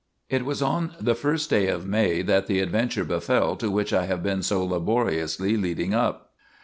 It was on the first day of May that the adventure befell to which I have been so laboriously leading up.